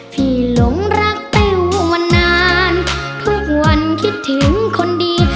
หลงรักติ้วมานานทุกวันคิดถึงคนดี